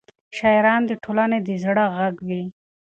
شاعران د ټولنې د زړه غږ وي.